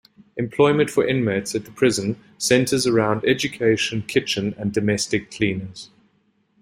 Employment for inmates at the prison centres around Education, Kitchen and Domestic Cleaners.